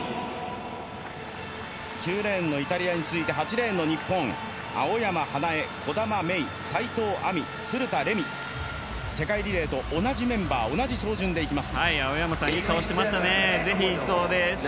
９レーンのイタリアに続いて８レーン日本、青山華依、兒玉芽生、齋藤愛美、鶴田玲美、世界リレーと同じメンバー同じ走順でいきます。